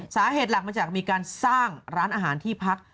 สาเหตุหลักมาจากมีการสร้างร้านอาหารที่พัก